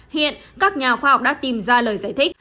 hiện các nhà khoa học đã tìm ra lời giải thích